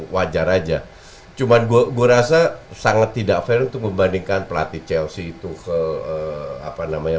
wajar aja cuman gua rasa sangat tidak fair untuk membandingkan pelatih chelsea itu ke apa namanya